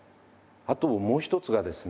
あともう一つがですね